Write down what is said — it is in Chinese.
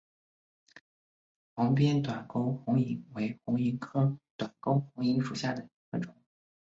黄边短沟红萤为红萤科短沟红萤属下的一个种。